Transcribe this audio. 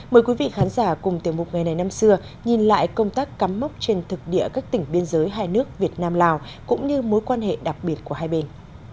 mời quý vị khán giả cùng tiểu mục ngày này năm xưa nhìn lại công tác cắm mốc trên thực địa các tỉnh biên giới hai nước việt nam lào cũng như mối quan hệ đặc biệt của hai bên